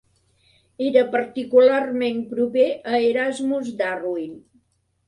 Era particularment proper a Erasmus Darwin.